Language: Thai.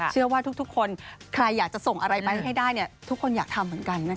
เชื่อว่าทุกคนใครอยากจะส่งอะไรไปให้ได้ทุกคนอยากทำเหมือนกันนะคะ